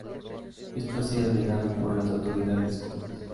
Esto ha sido negado por las autoridades Kurdas.